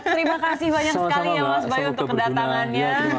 terima kasih banyak sekali ya mas bayu untuk kedatangannya